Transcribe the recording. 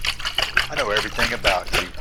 I know everything about you.